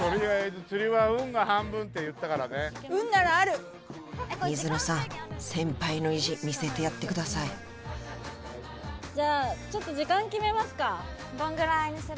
釣りは運が半分って言ったからね運ならある水野さん先輩の意地見せてやってくださいじゃあどんぐらいにする？